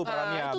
perannya begitu ya